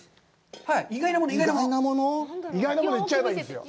意外な物、言っちゃえばいいんですよ。